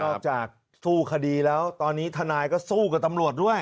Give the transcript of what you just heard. จากสู้คดีแล้วตอนนี้ทนายก็สู้กับตำรวจด้วย